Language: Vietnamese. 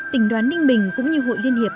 tỉnh đoàn ninh bình cũng như hội liên hiệp